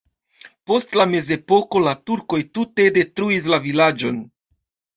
Post la mezepoko la turkoj tute detruis la vilaĝon.